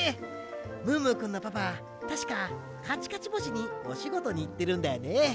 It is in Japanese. ムームーくんのパパたしかかちかち星におしごとにいってるんだよね。